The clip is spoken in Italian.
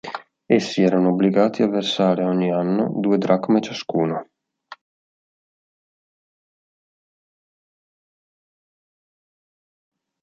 Essi erano obbligati a versare ogni anno due dracme ciascuno.